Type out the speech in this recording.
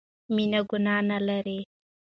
مينه ګناه نه لري